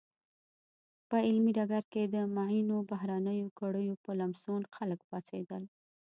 په علمي ډګر کې د معینو بهرنیو کړیو په لمسون خلک پاڅېدل.